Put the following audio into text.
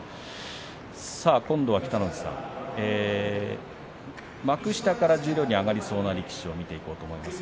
今度は北の富士さん幕下から十両に上がりそうな力士を見ていこうと思います。